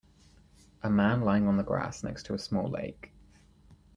A man lying on the grass next to a small lake.